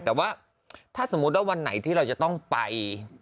แต่ว่าวันไหนที่เราจะต้องไป